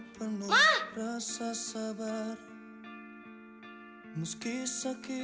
kenapa mama baru pulang sekarang